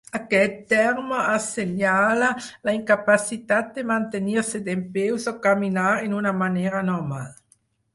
Aquest terme assenyala la incapacitat de mantenir-se dempeus o caminar en una manera normal.